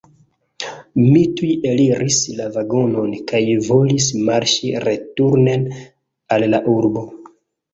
Mi tuj eliris la vagonon kaj volis marŝi returnen al la urbo.